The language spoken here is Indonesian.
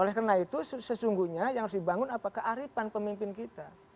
oleh karena itu sesungguhnya yang harus dibangun apakah arifan pemimpin kita